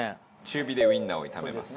中火でウィンナーを炒めます。